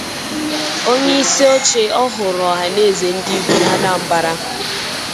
onyeisioche ọhụrụ Ọhaneze Ndị Igbo n'Anambra